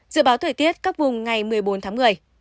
dự báo thời tiết các vùng ngày một mươi bốn tháng một mươi